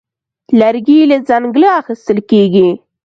لرګی له ځنګله اخیستل کېږي.